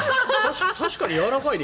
確かにやわらかいね。